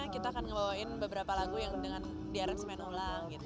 kita akan membawakan beberapa lagu yang di ransumen ulang